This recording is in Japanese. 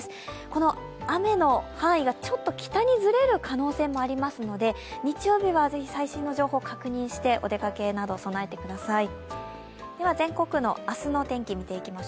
この雨の範囲がちょっと北にずれる可能性もありますので日曜日はぜひ、最新の情報を確認してお出かけなど備えてください。